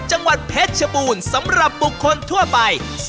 จังหวัดเพชรชบูรณ์สำหรับบุคคลทั่วไป